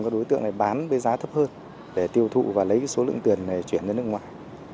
các đối tượng này bán với giá thấp hơn để tiêu thụ và lấy số lượng tiền này chuyển ra nước ngoài